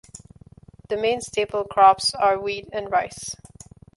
The main staple crops are wheat and rice.